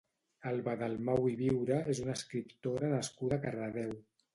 Alba Dalmau i Viure és una escriptora nascuda a Cardedeu.